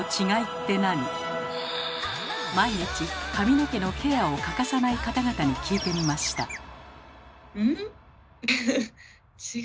毎日髪の毛のケアを欠かさない方々に聞いてみました。